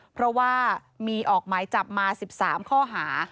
เพราะว่ามีออกหมายจับมา๑๓ข้อหา